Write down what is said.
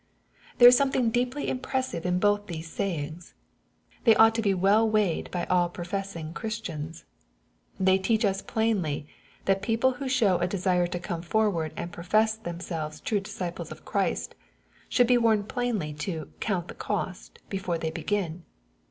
'' There is something deeply impressive in both these 78 KXPOSITOBY THOUGHTS. Bayings. They ought to be well weighed bj all profess^ ing Christians. They teach us plainly, that people who show a desire to come forward and profess themselves true disciples of Christ, should be warned plainly to " count the cost," before they begin.